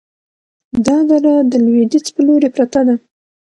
دا دره د لویدیځ په لوري پرته ده،